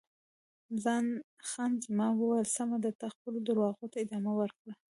خان زمان وویل: سمه ده، ته خپلو درواغو ته ادامه ورکړه.